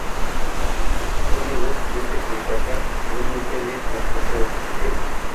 Esto incluye dos buques de carga y un buque de transporte de pasajeros.